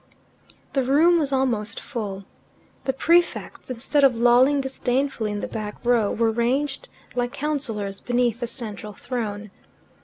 The room was almost full. The prefects, instead of lolling disdainfully in the back row, were ranged like councillors beneath the central throne.